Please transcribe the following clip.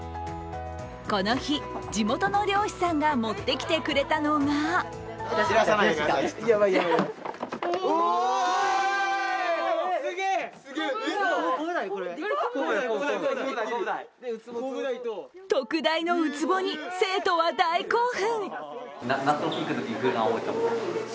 この日、地元の漁師さんが持ってきてくれたのが特大のウツボに生徒は大興奮。